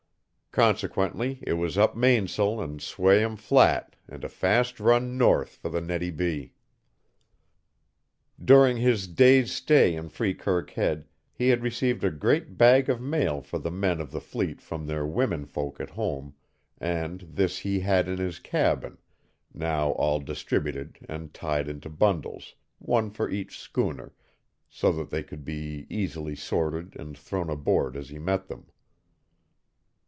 Consequently it was up mainsail and sway 'em flat and a fast run north for the Nettie B. During his day's stay in Freekirk Head he had received a great bag of mail for the men of the fleet from their women folk at home, and this he had in his cabin, now all distributed and tied into bundles, one for each schooner, so that they could be easily sorted and thrown aboard as he met them.